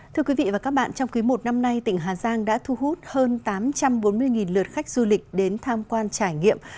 thưa quý vị và các bạn trong quý một năm nay tỉnh hà giang đã thu hút hơn tám trăm bốn mươi lượt khách du lịch đến tham quan trải nghiệm